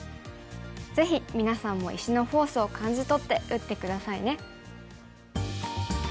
ぜひ皆さんも石のフォースを感じとって打って下さいね。